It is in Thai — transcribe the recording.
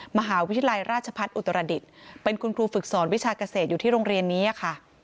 มหาวิทยาลัยราชพัฒน์อุตรดิษฐ์เป็นคุณครูฝึกสอนวิชาเกษตรอยู่ที่โรงเรียนนี้ค่ะ